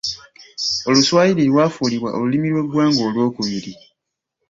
Oluswayiri lwafuulibwa olulimi lw’eggwanga olwokubiri.